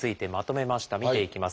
見ていきます。